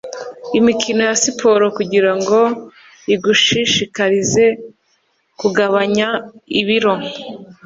Imikino ya siporo kugirango igushishikarize kugabanya ibiro